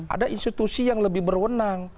ada institusi yang lebih berwenang